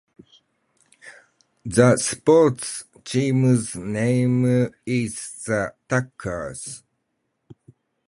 The sports teams' name is the Tuckers.